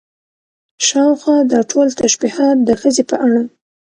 شاوخوا دا ټول تشبيهات د ښځې په اړه